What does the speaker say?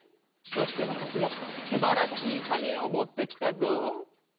そしてわたしもすばらしいかげをもってきたぞ。